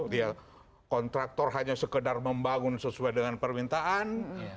dia kontraktor hanya sekedar membangun sesuai dengan permintaan